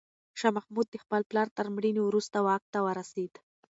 شاه محمود د خپل پلار تر مړینې وروسته واک ته ورسېد.